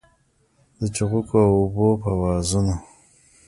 د چوغکو او اوبو په آوازونو